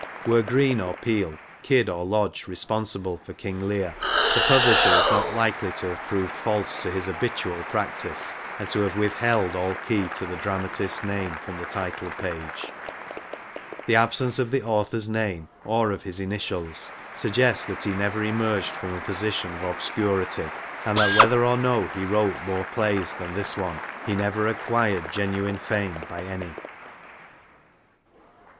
Were Greene or Peele, Kyd or Lodge responsible for King Leir, the publisher is not likely to have proved false to his habitual practice, and to have withheld all key to the dramatist's name from the title page. The absence of the author's name, or of his initials, suggests that he never emerged from a position of obscurity ; and that whether or no he wrote more plays than this one, he never acquired genuine fame by any.